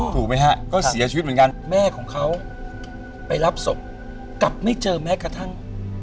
ถูกไหมฮะก็เสียชีวิตเหมือนกันแม่ของเขาไปรับศพกลับไม่เจอแม้กระทั่ง